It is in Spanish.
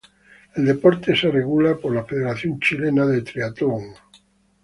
El deporte es regulado por la Federación Chilena de Triatlón.